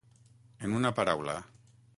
En una paraula.